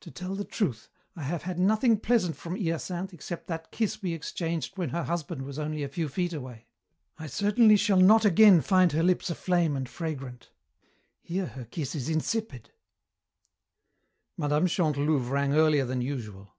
"To tell the truth, I have had nothing pleasant from Hyacinthe except that kiss we exchanged when her husband was only a few feet away. I certainly shall not again find her lips a flame and fragrant. Here her kiss is insipid." Mme. Chantelouve rang earlier than usual.